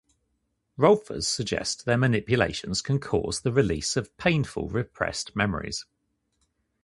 Rolfers suggest their manipulations can cause the release of painful repressed memories.